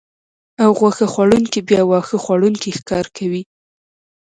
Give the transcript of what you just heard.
او غوښه خوړونکي بیا واښه خوړونکي ښکار کوي